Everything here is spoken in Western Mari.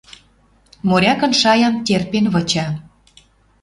Морякын шаям терпен выча.